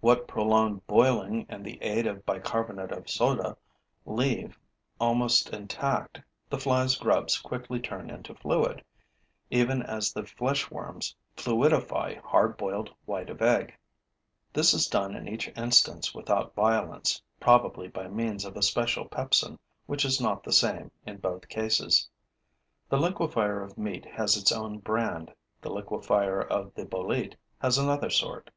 What prolonged boiling and the aid of bicarbonate of soda leave almost intact the fly's grubs quickly turn into fluid, even as the flesh worms fluidify hard boiled white of egg. This is done in each instance without violence, probably by means of a special pepsin, which is not the same in both cases. The liquefier of meat has its own brand; the liquefier of the bolete has another sort.